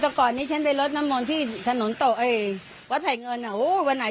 แต่ก่อนนี้ฉันไปลดน้ำมนต์ที่ถนนโต๊ะไอ้วัดไถเงินอ่ะโอ้วันไหน